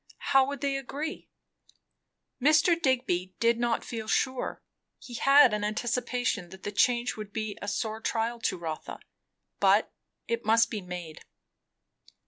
How would they agree? Mr. Digby did not feel sure; he had an anticipation that the change would be a sore trial to Rotha. But it must be made.